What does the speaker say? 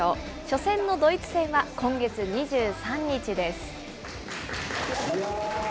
初戦のドイツ戦は今月２３日です。